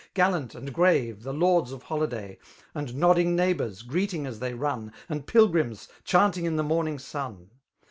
Gallant and grave, the lords of holiday^ And nodding neighbours^ greeting as they run^ And pilgrims^ chanting in the morning sun.